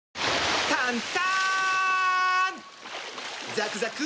ザクザク！